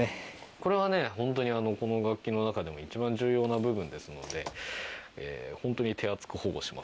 これはホントにこの楽器の中でも一番重要な部分ですのでホントに手厚く保護します。